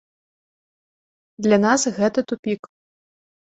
Для нас гэта тупік.